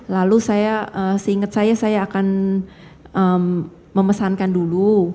lalu saya seingat saya saya akan memesankan dulu